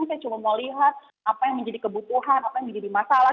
saya cuma mau lihat apa yang menjadi kebutuhan apa yang menjadi masalah